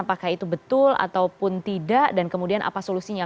apakah itu betul ataupun tidak dan kemudian apa solusinya